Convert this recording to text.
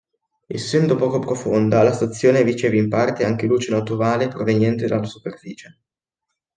Essendo poco profonda, la stazione riceve in parte anche luce naturale proveniente dalla superficie.